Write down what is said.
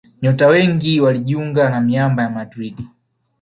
Nyota wengi walijiunga na miamba ya Madrid